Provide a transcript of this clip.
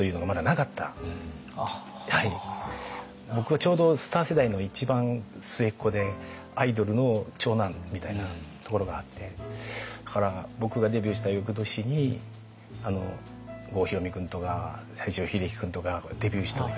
僕はちょうどスター世代の一番末っ子でアイドルの長男みたいなところがあってだから僕がデビューした翌年に郷ひろみ君とか西城秀樹君とかがデビューした時は。